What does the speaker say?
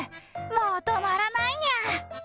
もう止まらないにゃ。